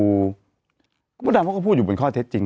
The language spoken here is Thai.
มดดำเพราะเขาพูดอยู่บนคลอดเทตจริง